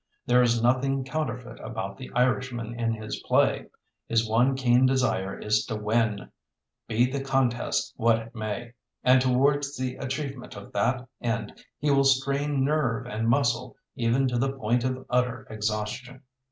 There is nothing counterfeit about the Irishman in his play. His one keen desire is to win, be the contest what it may; and towards the achievement of that end he will strain nerve and muscle even to the point of utter exhaustion.